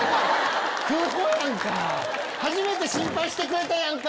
空砲やんか初めて心配してくれたやんか。